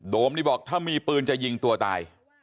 มนี่บอกถ้ามีปืนจะยิงตัวตาย